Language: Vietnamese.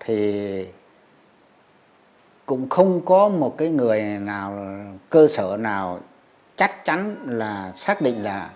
thì cũng không có một cái người nào cơ sở nào chắc chắn là xác định là